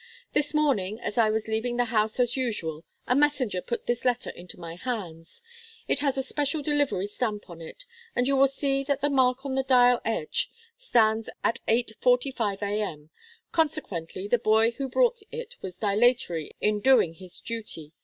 This morning, as I was leaving the house as usual, a messenger put this letter into my hands. It has a special delivery stamp on it, and you will see that the mark on the dial edge stands at eight forty five A.M. Consequently, the boy who brought it was dilatory in doing his duty.